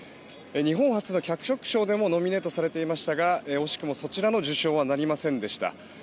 日本初の脚色賞でもノミネートされていましたが惜しくもそちらの受賞はなりませんでした。